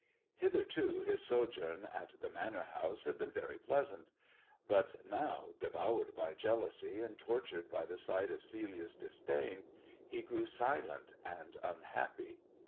Hitherto his sojourn at the Manor House had been very easant ; but now, devoured by jealousy, and tortured by e sight of Celiacs disdain, he grew silent and unhappy.